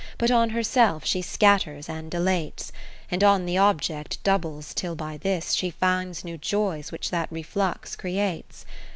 But on herself she scatters and dilates. And on the object doubles till by this She finds new joys which that reflux creates.